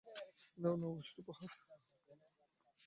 এই নাও, নববর্ষের উপহার!